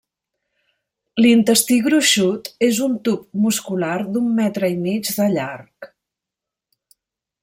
L'intestí gruixut és un tub muscular d'un metre i mig de llarg.